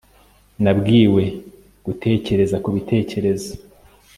nabwiwe gutekereza kubitekerezo